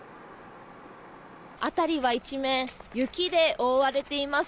辺りは一面雪で覆われています。